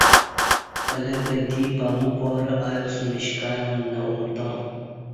پلکہ دی پمو پارہ ایاسمیش کیانہ امتاں